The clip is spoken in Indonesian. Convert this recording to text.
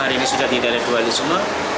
tidak ada dualisme